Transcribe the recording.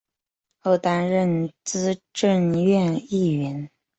后担任资政院议员。